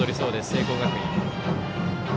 聖光学院。